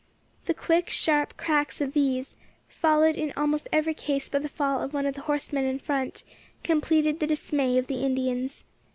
The quick, sharp cracks of these, followed in almost every case by the fall of one of the horsemen in front, completed the dismay of the Indians.